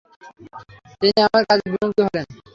তিনি আমার কাজে বিমুগ্ধ হলেন।